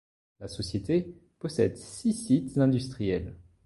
La société possède six sites industriels.